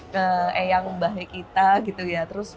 ke eyang bahaya kita gitu ya